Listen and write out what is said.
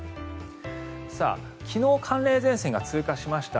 昨日、寒冷前線が通過しました。